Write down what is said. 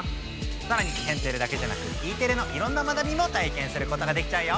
さらに「天てれ」だけじゃなくＥテレのいろんな学びも体験することができちゃうよ。